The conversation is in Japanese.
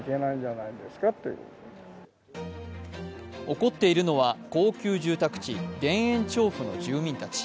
怒っているのは高級住宅地・田園調布の住民たち。